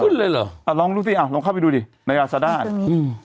เลยเหรออ่าลองดูสิอ่ะลองเข้าไปดูดิในอาซาด้าอืม